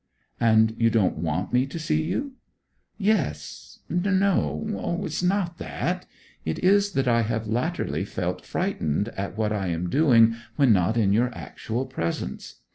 'And you don't want me to see you?' 'Yes no it is not that. It is that I have latterly felt frightened at what I am doing when not in your actual presence.